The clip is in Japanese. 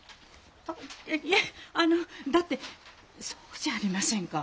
あっいえあのだってそうじゃありませんか。